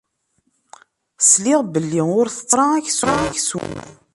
Sliɣ belli ur tettetteḍ ara aksum.